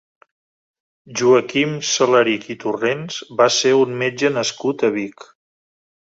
Joaquim Salarich i Torrents va ser un metge nascut a Vic.